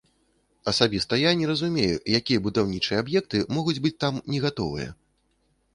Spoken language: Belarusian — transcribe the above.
Асабіста я не разумею, якія будаўнічыя аб'екты могуць быць там не гатовыя.